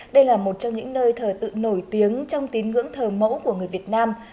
đây là một trong những nơi thờ tự nổi tiếng trong tín ngưỡng thờ mẫu của người việt nam